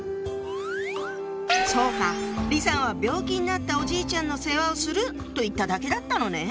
そうか李さんは「病気になったおじいちゃんの世話をする」と言っただけだったのね。